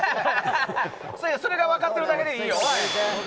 それが分かってるだけいいよ。